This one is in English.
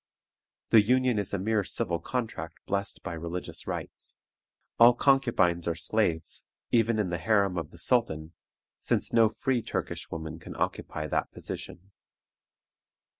The union is a mere civil contract blessed by religious rites. All concubines are slaves, even in the harem of the sultan, since no free Turkish woman can occupy that position.